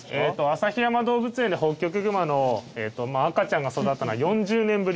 旭山動物園でホッキョクグマの赤ちゃんが育ったのは４０年ぶりになります。